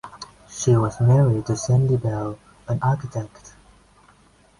She was married to Sandy Bell, an architect.